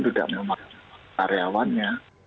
tidak melakukan karyawannya